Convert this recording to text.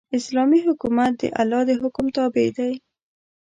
اسلامي حکومت د الله د حکم تابع دی.